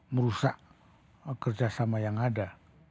merusak kerjasama yang ada